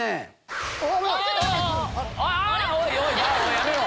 やめろ！